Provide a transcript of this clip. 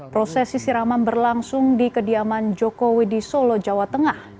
prosesi siraman berlangsung di kediaman jokowi di solo jawa tengah